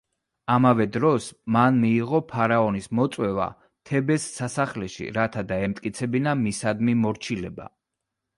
ამავე დროს მან მიიღო ფარაონის მოწვევა თებეს სასახლეში, რათა დაემტკიცებინა მისადმი მორჩილება.